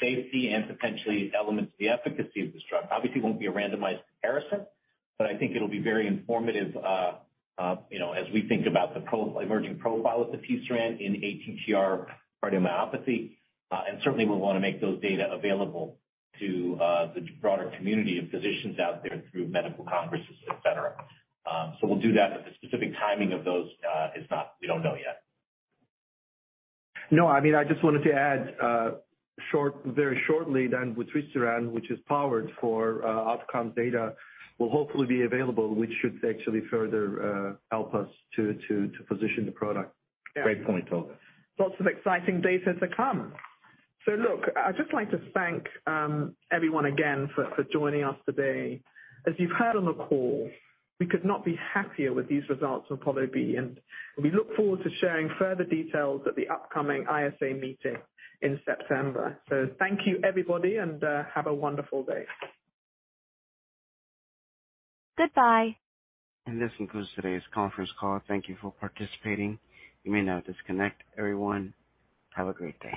safety and potentially elements of the efficacy of this drug. Obviously, it won't be a randomized comparison, but I think it'll be very informative as we think about the emerging profile of the patisiran in ATTR cardiomyopathy. Certainly, we'll want to make those data available to the broader community of physicians out there through medical conferences, etc. We'll do that, but the specific timing of those is not. We don't know yet. No, I mean, I just wanted to add very shortly that patisiran, which is powered for outcome data, will hopefully be available, which should actually further help us to position the product. Great point, Tolga. Lots of exciting data to come. So look, I'd just like to thank everyone again for joining us today. As you've heard on the call, we could not be happier with these results from APOLLO-B. And we look forward to sharing further details at the upcoming ISA meeting in September. So thank you, everybody, and have a wonderful day. Goodbye. This concludes today's conference call. Thank you for participating. You may now disconnect, everyone. Have a great day.